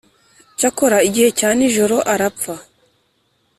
Cyakora igihe cya nijoro arapfa,